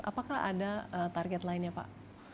apakah ada target lainnya pak